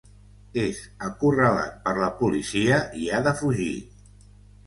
És acorralat per la policia i ha de fugir.